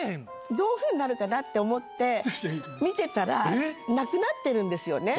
どういうふうになるかなって思って、見てたら、なくなってるんですよね。